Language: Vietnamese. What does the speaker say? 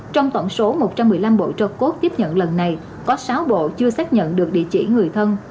trong tổng số một trăm một mươi năm bộ cho cốt tiếp nhận lần này có sáu bộ chưa xác nhận được địa chỉ người thân